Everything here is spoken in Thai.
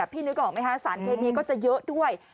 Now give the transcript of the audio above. นึกออกไหมคะสารเคมีก็จะเยอะด้วย